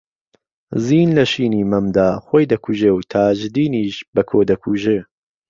زین لە شینی مەمدا خۆی دەکوژێ و تاجدینیش بەکۆ دەکوژێ